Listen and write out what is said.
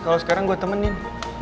kalau sekarang gue temenin